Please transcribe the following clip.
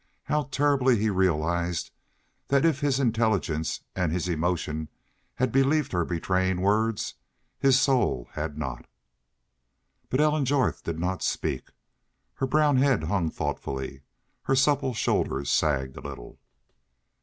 How terribly he realized that if his intelligence and his emotion had believed her betraying words, his soul had not! But Ellen Jorth did not speak. Her brown head hung thoughtfully. Her supple shoulders sagged a little.